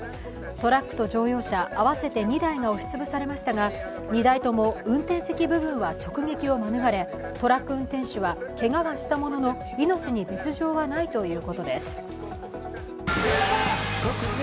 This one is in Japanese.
トラックと乗用車合わせて２台が押しつぶされましたが２台とも運転席部分は直撃を免れトラック運転手はけがはしたものの、命に別状はないということです。